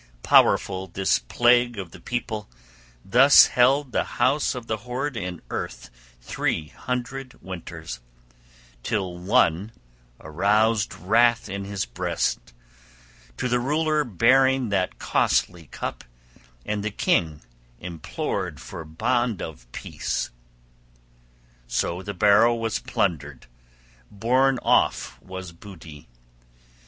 Powerful this plague of the people thus held the house of the hoard in earth three hundred winters; till One aroused wrath in his breast, to the ruler bearing that costly cup, and the king implored for bond of peace. So the barrow was plundered, borne off was booty.